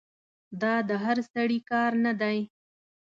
دا د هر سړي کار نه دی.